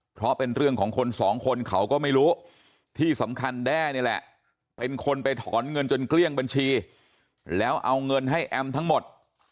เพราะเป็นเรื่องของคนสองคนเขาก็ไม่รู้ที่สำคัญแด้นี่แหละเป็นคนไปถอนเงินจนเกลี้ยงบัญชีแล้วเอาเงินให้แอมทั้งหมด